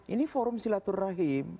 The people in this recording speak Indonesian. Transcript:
ini forum silaturrahim